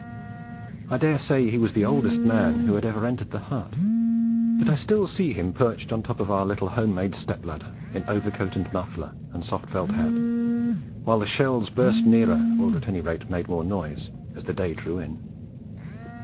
I daresay he was the oldest man who had ever entered the hut; but I still see him perched on top of our little home made step ladder, in overcoat and muffler and soft felt hat, while the shells burst nearer, or at any rate made more noise, as the day drew in.